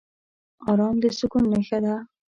ارام د سکون نښه ده.